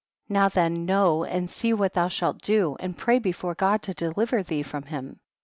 14. Now then know and see what thou slialt do, and pray before God to deliver thee from him.